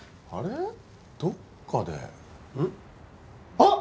あっ！